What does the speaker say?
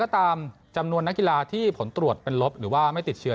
ตามจำนวนนักกีฬาที่ผลตรวจเป็นลบหรือว่าไม่ติดเชื้อ